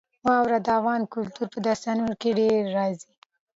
واوره د افغان کلتور په داستانونو کې ډېره راځي.